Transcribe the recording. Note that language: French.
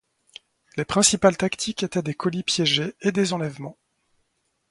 Les principales tactiques étaient des colis piégés et des enlèvements.